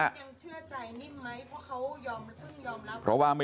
ยังเชื่อใจนิ่มไหมเพราะเขาเพิ่งยอมรับ